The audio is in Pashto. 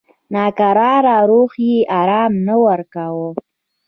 ناکراره روح یې آرام نه ورکاوه.